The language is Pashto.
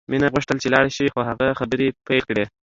مینه غوښتل چې لاړه شي خو هغه خبرې پیل کړې